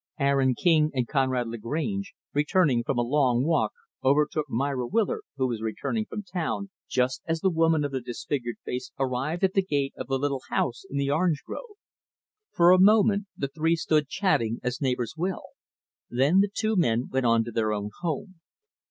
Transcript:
Aaron King and Conrad Lagrange, returning from a long walk, overtook Myra Willard, who was returning from town, just as the woman of the disfigured face arrived at the gate of the little house in the orange grove. For a moment, the three stood chatting as neighbors will, then the two men went on to their own home.